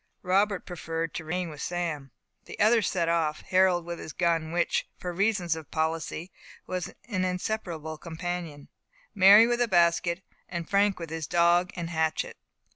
Robert preferred to remain with Sam. The others set off Harold with his gun, which, for reasons of policy, was an inseparable companion, Mary with a basket, and Frank with his dog and hatchet.